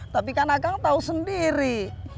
tapi kan agang tahu sendiri